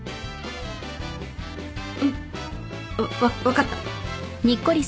うん。わっ分かった。